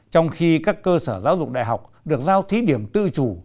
trong khi các cơ sở giáo dục đại học được giao thí điểm tự chủ